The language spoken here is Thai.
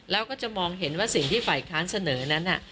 แล้วก็จะมองเห็นว่าสิ่งที่ฝ่ายค้านเสนอนั้น